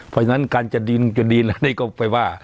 เพราะฉะนั้นการจัดดินจัดดีนอะไรก็ไปว่า